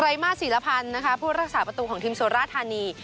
ไกรมาสศีลพันธ์ผู้รักษาประตูของทีมโซราธานี